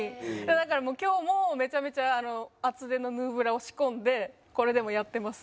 だから今日もめちゃめちゃ厚手のヌーブラを仕込んでこれでもやってます。